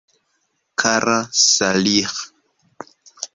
Kara Saliĥ.